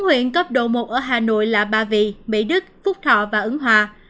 huyện cấp độ một ở hà nội là ba vị mỹ đức phúc thọ và ứng hòa